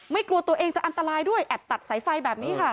กลัวตัวเองจะอันตรายด้วยแอบตัดสายไฟแบบนี้ค่ะ